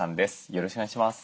よろしくお願いします。